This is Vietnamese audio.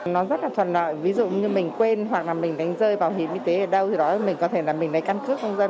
nó rất là thuần nợ ví dụ như mình quên hoặc là mình đánh rơi bảo hiểm y tế ở đâu thì đó là mình có thể là mình lấy căn cứ công dân